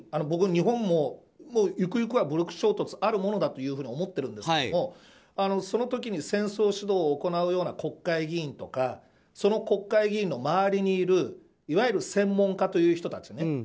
僕、日本もゆくゆくは武力衝突があるものだと思っているんですけどその時に戦争始動を行うような国会議員とかその国会議員の周りにいるいわゆる専門家という人たちね。